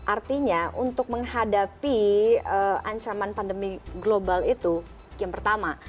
artinya untuk menghadapi ancaman pandemi global itu yang pertama